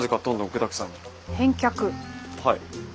はい。